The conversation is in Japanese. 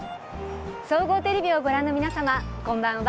総合テレビをご覧の皆様こんばんは。